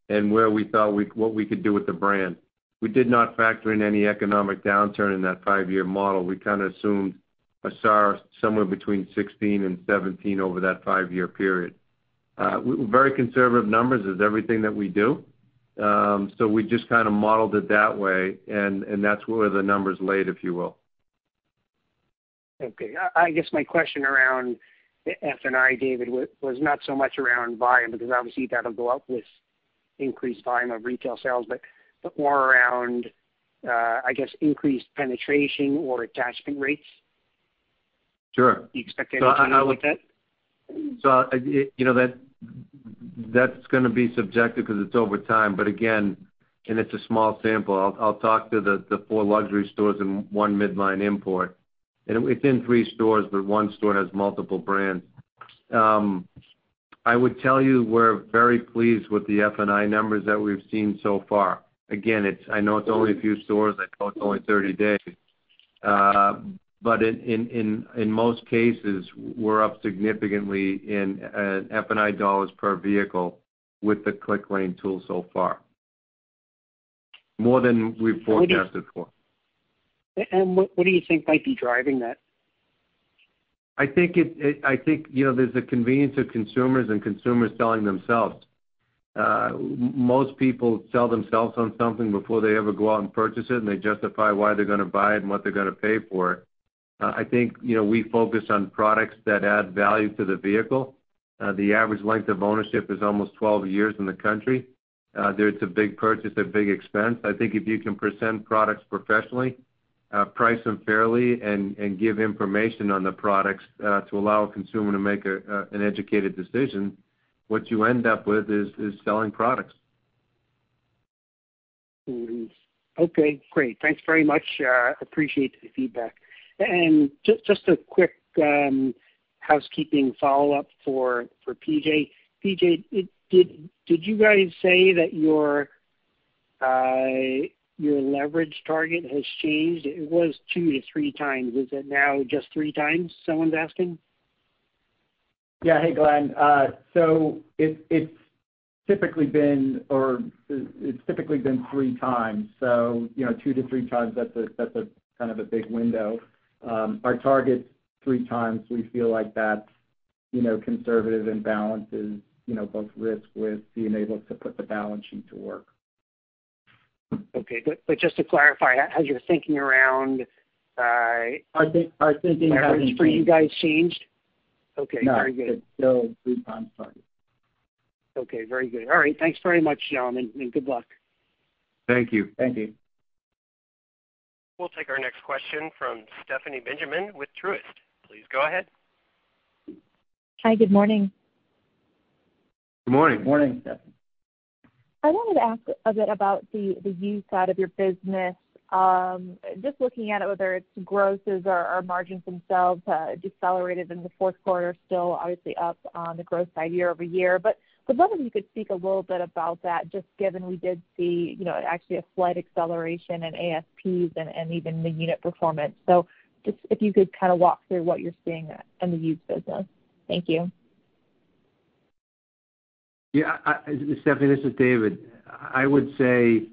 and what we could do with the brand. We did not factor in any economic downturn in that five-year model. We kind of assumed a SAAR somewhere between 16 and 17 over that five-year period. Very conservative numbers, as everything that we do. We just kind of modeled it that way, and that's where the numbers laid, if you will. Okay. I guess my question around F&I, David, was not so much around volume, because obviously that'll go up with increased volume of retail sales, but more around, I guess, increased penetration or attachment rates. Sure. Do you expect anything like that? That's going to be subjective because it's over time, but again, and it's a small sample. I'll talk to the four luxury stores and one midline import. Within three stores, but one store has multiple brands. I would tell you we're very pleased with the F&I numbers that we've seen so far. Again, I know it's only a few stores. I know it's only 30 days. In most cases, we're up significantly in F&I dollars per vehicle with the Clicklane tool so far. More than we've forecasted for. What do you think might be driving that? I think there's a convenience of consumers and consumers selling themselves. Most people sell themselves on something before they ever go out and purchase it, and they justify why they're going to buy it and what they're going to pay for it. I think we focus on products that add value to the vehicle. The average length of ownership is almost 12 years in the country. It's a big purchase, a big expense. I think if you can present products professionally, price them fairly, and give information on the products to allow a consumer to make an educated decision, what you end up with is selling products. Okay, great. Thanks very much. Appreciate the feedback. Just a quick housekeeping follow-up for PJ. PJ, did you guys say that your leverage target has changed? It was 2x-3x. Is it now just three times? Someone's asking. Yeah. Hey, Glenn. It's typically been 3x. 2x-3x, that's a kind of a big window. Our target's 3x. We feel like that's conservative and balances both risk with being able to put the balance sheet to work. Okay. just to clarify, has your thinking around? Our thinking hasn't changed. leverage for you guys changed? Okay, very good. No. It's still a 3x target. Okay, very good. All right. Thanks very much, gentlemen. Good luck. Thank you. Thank you. We'll take our next question from Stephanie Benjamin with Truist. Please go ahead. Hi, good morning. Good morning. Morning, Stephanie. I wanted to ask a bit about the used side of your business. Just looking at it, whether it's grosses or margins themselves, decelerated in the fourth quarter, still obviously up on the gross side year-over-year. I was wondering if you could speak a little bit about that, just given we did see actually a slight acceleration in ASPs and even the unit performance. Just if you could kind of walk through what you're seeing in the used business. Thank you. Yeah. Stephanie, this is David. I would say,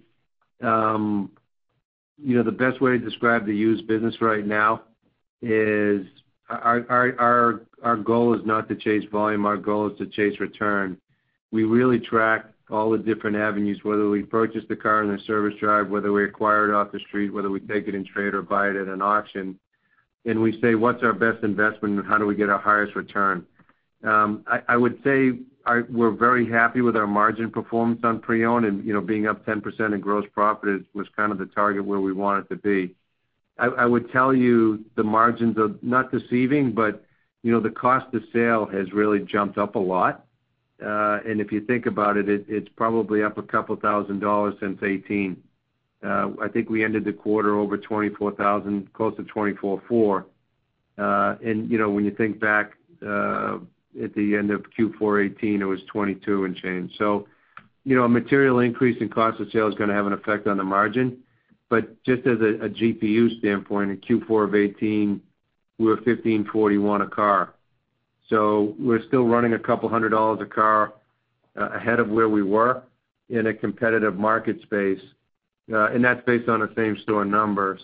the best way to describe the used business right now is our goal is not to chase volume. Our goal is to chase return. We really track all the different avenues, whether we purchase the car on a service drive, whether we acquire it off the street, whether we take it in trade or buy it at an auction. We say, What's our best investment and how do we get our highest return? I would say we're very happy with our margin performance on pre-owned and being up 10% in gross profit is kind of the target where we want it to be. I would tell you the margins are not deceiving, but the cost of sale has really jumped up a lot. If you think about it's probably up $2,000 since 2018. I think we ended the quarter over 24,000, close to 24,400. When you think back, at the end of Q4 2018, it was 22 and change. A material increase in cost of sale is going to have an effect on the margin. Just as a GPU standpoint, in Q4 of 2018, we were $1,541 a car. We're still running a couple hundred dollars a car, ahead of where we were in a competitive market space. That's based on a same store number.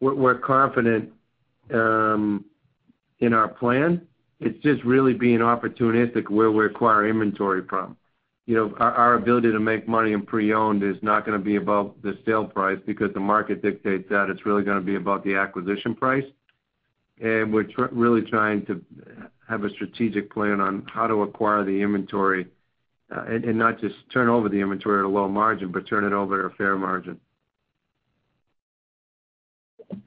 We're confident in our plan. It's just really being opportunistic where we acquire inventory from. Our ability to make money in pre-owned is not going to be above the sale price because the market dictates that it's really going to be above the acquisition price. We're really trying to have a strategic plan on how to acquire the inventory, and not just turn over the inventory at a low margin, but turn it over at a fair margin.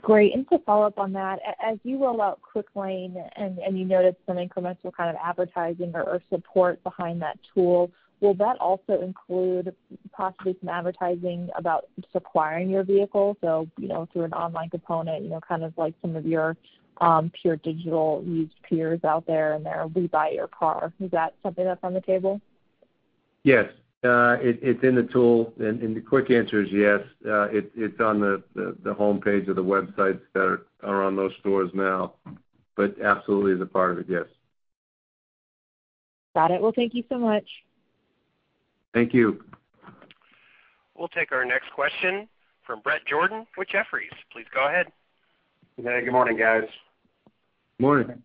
Great. To follow up on that, as you roll out Clicklane and you noted some incremental kind of advertising or support behind that tool, will that also include possibly some advertising about acquiring your vehicle, through an online component, kind of like some of your pure digital used peers out there and their we buy your car? Is that something that's on the table? Yes. It's in the tool and the quick answer is yes. It's on the homepage of the websites that are on those stores now, but absolutely is a part of it. Yes. Got it. Well, thank you so much. Thank you. We'll take our next question from Bret Jordan with Jefferies. Please go ahead. Hey, good morning, guys. Morning.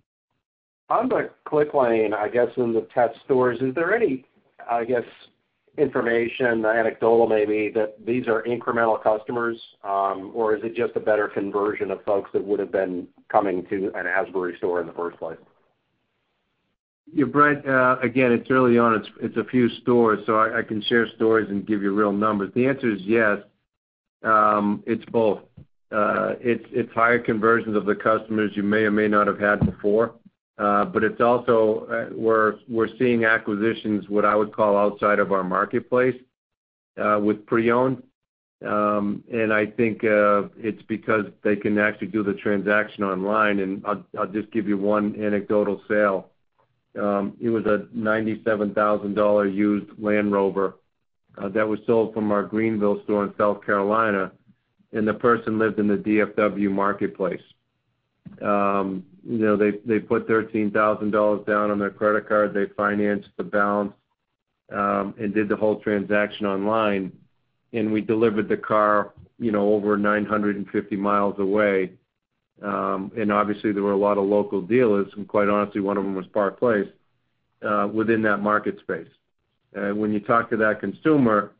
On the Clicklane, I guess in the test stores, is there any, I guess, information, anecdotal maybe, that these are incremental customers? Or is it just a better conversion of folks that would've been coming to an Asbury store in the first place? Yeah, Bret, again, it's early on. It's a few stores. I can share stories and give you real numbers. The answer is yes, it's both. It's higher conversions of the customers you may or may not have had before. It's also, we're seeing acquisitions, what I would call outside of our marketplace, with pre-owned. I think it's because they can actually do the transaction online. I'll just give you one anecdotal sale. It was a $97,000 used Land Rover that was sold from our Greenville store in South Carolina. The person lived in the DFW marketplace. They put $13,000 down on their credit card. They financed the balance, did the whole transaction online. We delivered the car over 950 mi away. Obviously, there were a lot of local dealers and quite honestly, one of them was Park Place, within that market space. When you talk to that consumer,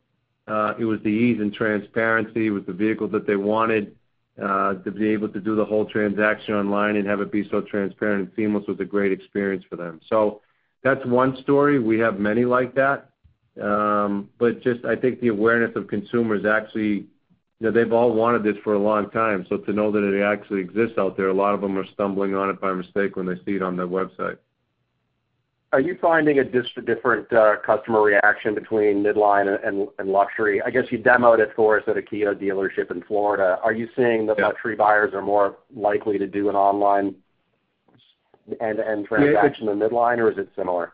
it was the ease and transparency with the vehicle that they wanted. To be able to do the whole transaction online and have it be so transparent and seamless was a great experience for them. That's one story. We have many like that. Just I think the awareness of consumers actually, they've all wanted this for a long time. To know that it actually exists out there, a lot of them are stumbling on it by mistake when they see it on their website. Are you finding a different customer reaction between midline and luxury? I guess you demoed it for us at a Kia dealership in Florida. Are you seeing that- Yeah luxury buyers are more likely to do an online end-to-end transaction. May I- than the midline, or is it similar?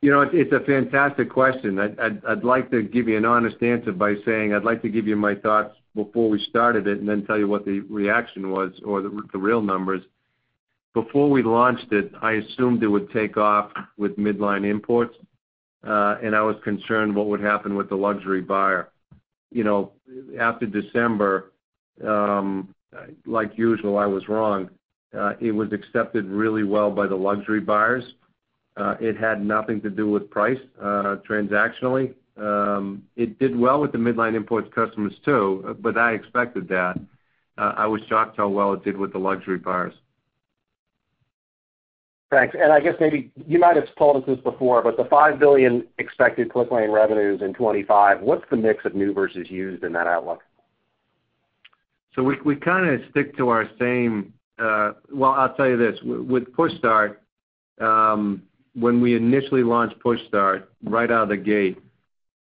It's a fantastic question. I'd like to give you an honest answer by saying, I'd like to give you my thoughts before we started it and then tell you what the reaction was or the real numbers. Before we launched it, I assumed it would take off with midline imports. I was concerned what would happen with the luxury buyer. After December, like usual, I was wrong. It was accepted really well by the luxury buyers. It had nothing to do with price, transactionally. It did well with the midline imports customers too, but I expected that. I was shocked how well it did with the luxury buyers. Thanks. I guess maybe you might have told us this before, but the $5 billion expected Clicklane revenues in 2025, what's the mix of new versus used in that outlook? We kind of stick to our same Well, I'll tell you this. With PushStart, when we initially launched PushStart right out of the gate,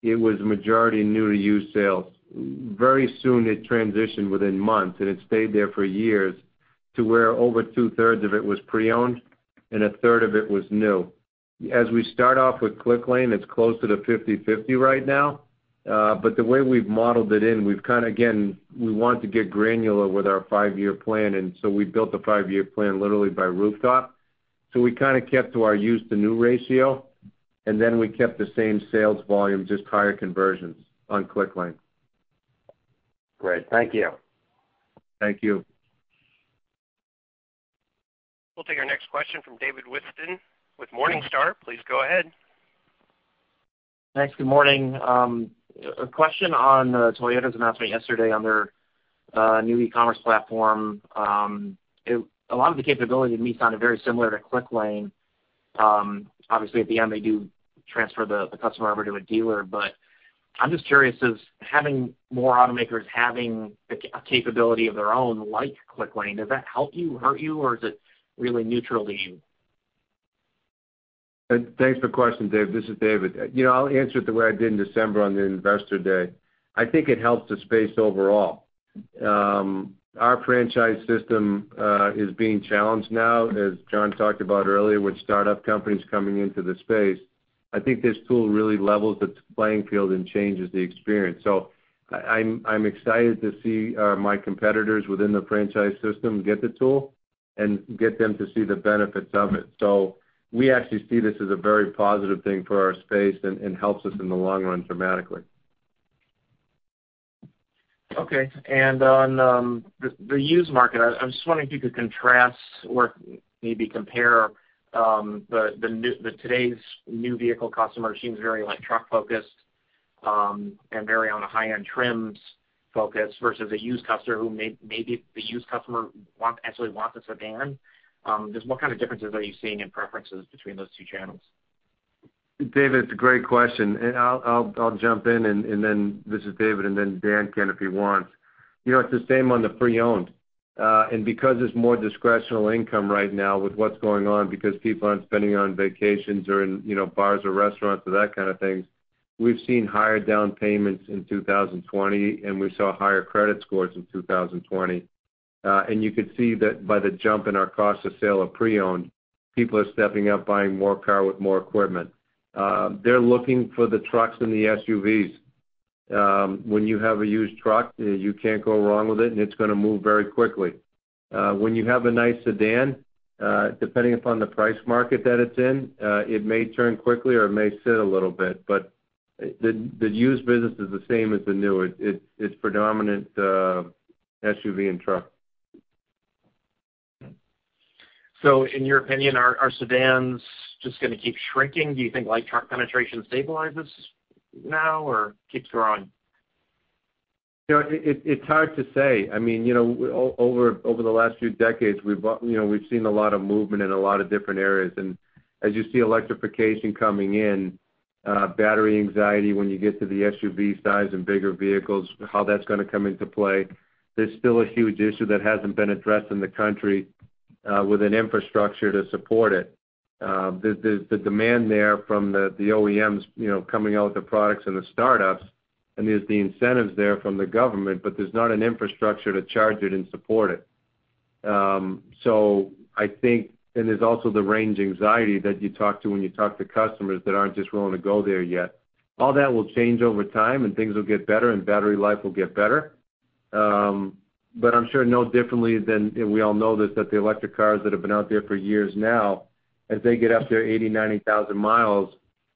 it was majority new to used sales. Very soon, it transitioned within months, and it stayed there for years to where over two-thirds of it was pre-owned and a third of it was new. As we start off with Clicklane, it's closer to 50/50 right now. The way we've modeled it in, again, we want to get granular with our five-year plan, and so we built a five-year plan literally by rooftop. We kept to our used-to-new ratio, and then we kept the same sales volume, just higher conversions on Clicklane. Great. Thank you. Thank you. We'll take our next question from David Whiston with Morningstar. Please go ahead. Thanks. Good morning. A question on Toyota's announcement yesterday on their new e-commerce platform. A lot of the capability to me sounded very similar to Clicklane. Obviously, at the end, they do transfer the customer over to a dealer. I'm just curious, does having more automakers having a capability of their own, like Clicklane, does that help you, hurt you, or is it really neutral to you? Thanks for the question, Dave. This is David. I'll answer it the way I did in December on the Investor Day. I think it helps the space overall. Our franchise system is being challenged now, as John talked about earlier, with startup companies coming into the space. I think this tool really levels the playing field and changes the experience. I'm excited to see my competitors within the franchise system get the tool and get them to see the benefits of it. We actually see this as a very positive thing for our space and helps us in the long run dramatically. Okay, on the used market, I was just wondering if you could contrast or maybe compare today's new vehicle customer seems very light truck focused and very on the high-end trims focused versus a used customer, who maybe the used customer actually wants a sedan. Just what kind of differences are you seeing in preferences between those two channels? David, it's a great question. I'll jump in, this is David, then Dan can if he wants. It's the same on the pre-owned. Because it's more discretionary income right now with what's going on, because people aren't spending it on vacations or in bars or restaurants or that kind of thing, we've seen higher down payments in 2020, and we saw higher credit scores in 2020. You could see that by the jump in our cost of sale of pre-owned, people are stepping up, buying more car with more equipment. They're looking for the trucks and the SUVs. When you have a used truck, you can't go wrong with it, and it's going to move very quickly. When you have a nice sedan, depending upon the price market that it's in, it may turn quickly, or it may sit a little bit. The used business is the same as the new. It's predominant SUV and truck. In your opinion, are sedans just going to keep shrinking? Do you think light truck penetration stabilizes now or keeps growing? It's hard to say. Over the last few decades, we've seen a lot of movement in a lot of different areas. As you see electrification coming in, battery anxiety when you get to the SUV size and bigger vehicles, how that's going to come into play. There's still a huge issue that hasn't been addressed in the country with an infrastructure to support it. The demand there from the OEMs coming out with the products and the startups, and there's the incentives there from the government, but there's not an infrastructure to charge it and support it. There's also the range anxiety that you talk to when you talk to customers that aren't just willing to go there yet. All that will change over time and things will get better, and battery life will get better. I'm sure no differently than we all know this, that the electric cars that have been out there for years now, as they get up to 80,000, 90,000 mi,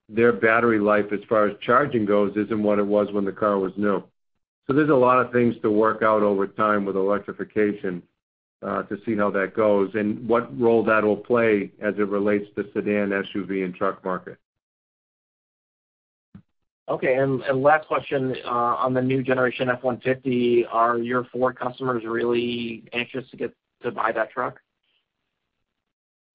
their battery life as far as charging goes isn't what it was when the car was new. There's a lot of things to work out over time with electrification to see how that goes and what role that will play as it relates to sedan, SUV, and truck market. Okay. Last question on the new generation F-150, are your Ford customers really anxious to get to buy that truck?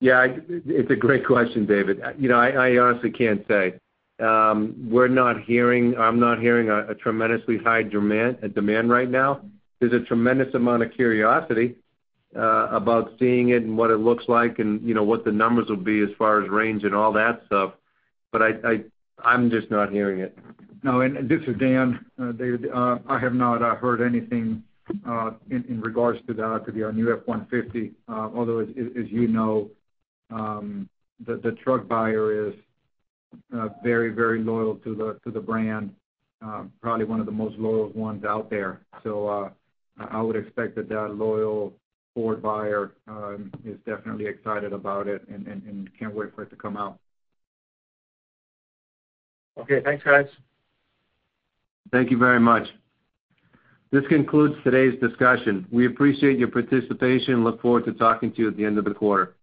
Yeah. It's a great question, David. I honestly can't say. I'm not hearing a tremendously high demand right now. There's a tremendous amount of curiosity about seeing it and what it looks like and what the numbers will be as far as range and all that stuff. I'm just not hearing it. No, this is Dan. David, I have not heard anything in regards to that, to the new F-150. Although, as you know, the truck buyer is very loyal to the brand, probably one of the most loyal ones out there. I would expect that that loyal Ford buyer is definitely excited about it and can't wait for it to come out. Okay. Thanks, guys. Thank you very much. This concludes today's discussion. We appreciate your participation and look forward to talking to you at the end of the quarter.